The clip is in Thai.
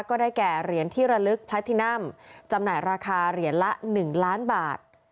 ก็ได้แก่เหรียญที่ระลึกพระทินัมจำหน่ายราคาเหรียญละ๑ล้านบาท